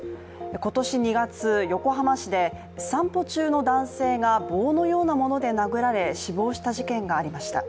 今年２月、横浜市で散歩中の男性が棒のようなもので殴られ、死亡した事件がありました。